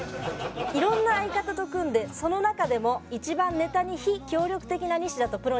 いろんな相方と組んでその中でも一番ネタに非協力的なニシダとプロにいきます。